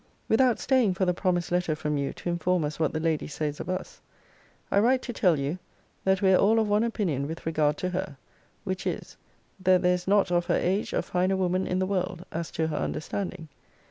Without staying for the promised letter from you to inform us what the lady says of us, I write to tell you, that we are all of one opinion with regard to her; which is, that there is not of her age a finer woman in the world, as to her understanding.